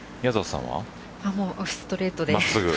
ストレートで。